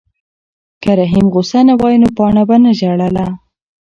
که رحیم غوسه نه وای نو پاڼه به نه ژړله.